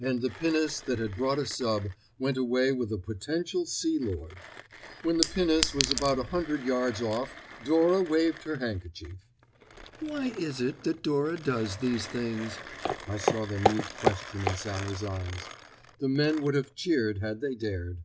And the pinnace that had brought a sub. went away with a potential Sea Lord. When the pinnace was about a hundred yards off Dora waved her handkerchief. "Why is it that Dora does these things?" I saw the mute question in Sallie's eyes. The men would have cheered had they dared.